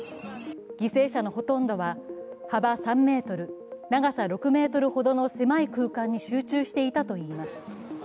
犠牲者のほとんどは、幅３ｍ長さ６ｍほどの狭い空間に集中していたといいます。